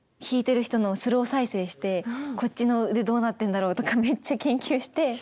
弾いてる人のをスロー再生してこっちの腕どうなってんだろう？とかめっちゃ研究して。